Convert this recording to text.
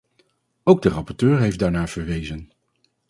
Ook de rapporteur heeft daarnaar verwezen.